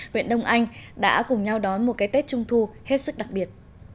huyện đông anh đã cùng nhau đón một cái tết trung thu hết sức đặc biệt